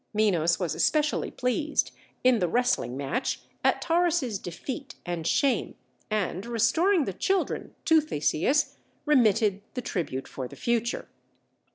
Minos was especially pleased, in the wrestling match, at Taurus's defeat and shame, and, restoring the children to Theseus, remitted the tribute for the future.